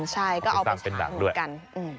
ใช่ก็เอาประชาเหมือนกัน